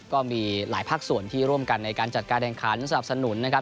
ก็มีหลายภาคส่วนที่ร่วมกันในการจัดการแข่งขันสนับสนุนนะครับ